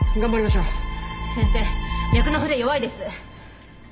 先生脈の触れ弱いです。